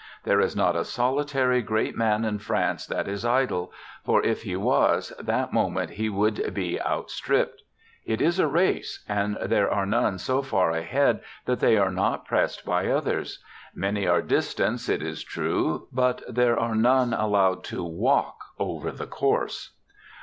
There is not a solitary great man in France that is idle, for if he was, that moment he would be out stripped ; it is a race, and there are none so far ahead that they are not pressed b}' others ; many are distanced, it is true, but there are none allowed to walk over the course.